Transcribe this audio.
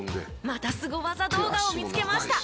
またスゴ技動画を見つけました。